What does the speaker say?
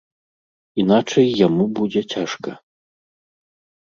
Іначай яму будзе цяжка.